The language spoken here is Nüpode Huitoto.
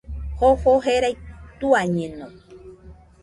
Jofo jerai tuañeno